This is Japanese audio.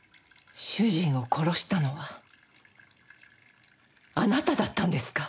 主人を殺したのはあなただったんですか？